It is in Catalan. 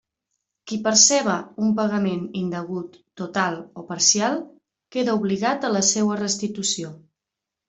Qui perceba un pagament indegut total o parcial queda obligat a la seua restitució.